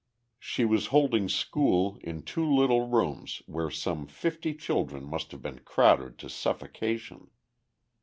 She was holding school in two little rooms where some fifty children must have been crowded to suffocation.